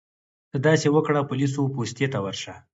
ته داسې وکړه پولیسو پوستې ته ورشه.